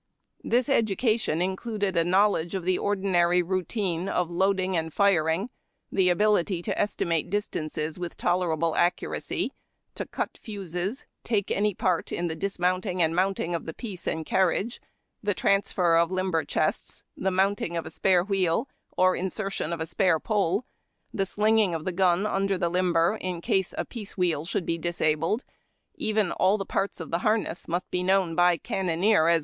This education included a knowledge of the ordi nary routine of loading and firing, the ability to estimate distances with tolerable accuracy, cut fuses, take any part in the dismounting and mounting of the piece and carriage, the transfer of limber chests, the mounting of a spare wheel or insertion of a spare pole, the slinging of the gun under the limber in case a piece wheel should be disabled ; even all the parts of the harness must be known by cannoneer as A BAY IN CAMP.